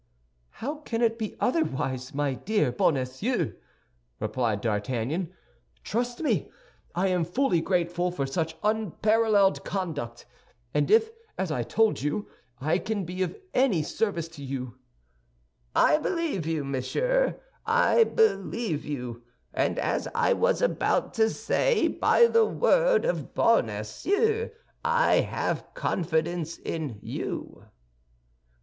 "How can it be otherwise, my dear Bonacieux?" replied D'Artagnan; "trust me, I am fully grateful for such unparalleled conduct, and if, as I told you, I can be of any service to you—" "I believe you, monsieur, I believe you; and as I was about to say, by the word of Bonacieux, I have confidence in you."